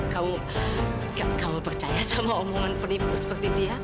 kamu kalau percaya sama omongan penipu seperti dia